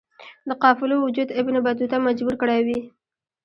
د قافلو وجود ابن بطوطه مجبور کړی وی.